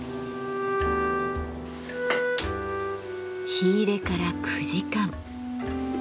火入れから９時間。